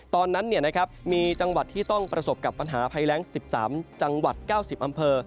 ตอนนั้นมีจังหวัดที่ต้องประสบกับปัญหาภัยแรง๑๓จังหวัด๙๐อำเภอ